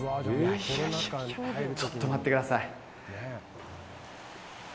いやいやちょっと待ってください。